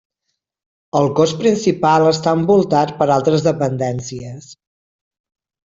El cos principal està envoltat per altres dependències.